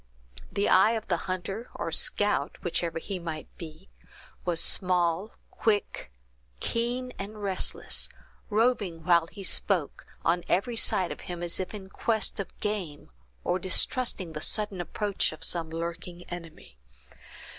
The eye of the hunter, or scout, whichever he might be, was small, quick, keen, and restless, roving while he spoke, on every side of him, as if in quest of game, or distrusting the sudden approach of some lurking enemy.